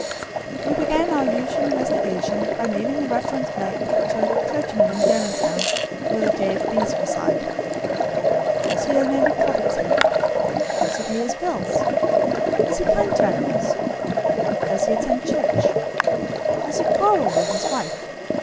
We began our usual investigation by mailing a reference blank to a clergyman in Germantown, where the J. F. B.'s reside. Does he own any property? Does he pay his bills? Is he kind to animals? Does he attend church? Does he quarrel with his wife?